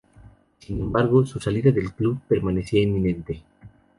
Sin embargo, su salida del club parecía inminente.